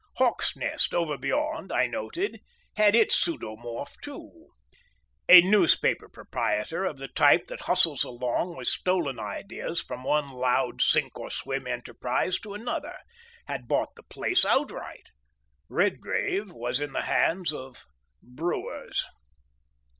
Hawksnest, over beyond, I noted, had its pseudomorph too; a newspaper proprietor of the type that hustles along with stolen ideas from one loud sink or swim enterprise to another, had bought the place outright; Redgrave was in the hands of brewers.